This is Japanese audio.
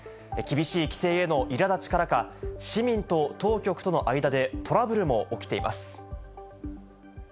厳しい規制へのいらだちからか、市民と当局との間でトラブルも起きています。